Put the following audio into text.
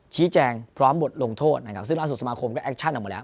ชี้แจงพร้อมบทลงโทษซึ่งอาสุทธิ์สมาคมก็แอคชั่นออกมาแล้ว